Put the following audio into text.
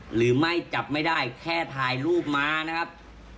หรือไม่จับไม่ได้แค่ถ่ายรูปมานะครับ